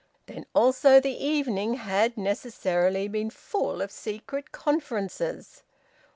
Then also the evening had necessarily been full of secret conferences.